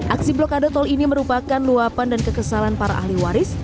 aksi blokade tol ini merupakan luapan dan kekesalan para ahli waris